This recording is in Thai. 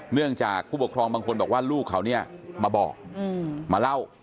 เนื่องจากผู้ปกครองบางคนบอกว่าลูกเขาเนี่ยมาบอกมาเล่า